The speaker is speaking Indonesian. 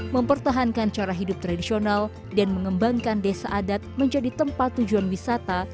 mempertahankan cara hidup tradisional dan mengembangkan desa adat menjadi tempat tujuan wisata